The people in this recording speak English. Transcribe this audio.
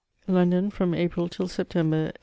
London, from April till September, 1822.